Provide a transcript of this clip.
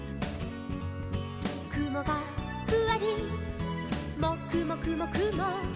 「くもがふわりもくもくもくも」